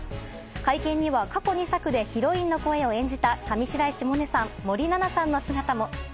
会見には、過去２作でヒロインの声を演じた上白石萌音さん森七菜さんの姿も。